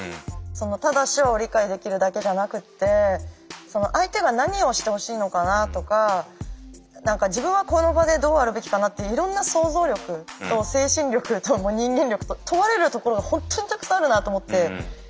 ただ手話を理解できるだけじゃなくて相手が何をしてほしいのかなとか自分はこの場でどうあるべきかなっていろんな想像力と精神力と人間力と問われるところが本当にたくさんあるなと思って。